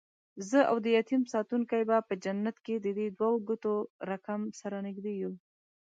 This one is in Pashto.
زه اودیتیم ساتونکی به په جنت کې ددې دوو ګوتو رکم، سره نږدې یو